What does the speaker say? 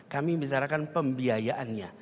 kami membicarakan pembiayaannya